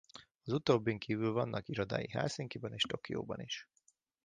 Az utóbbin kívül vannak irodái Helsinkiben és Tokióban is.